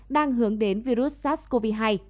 đang hướng đến virus sars cov hai